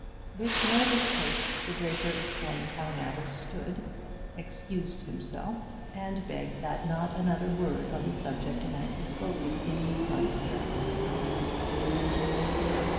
With nervous haste the draper explained how matters stood, excused himself, and begged that not another word on the subject might be spoken in his son's hearing.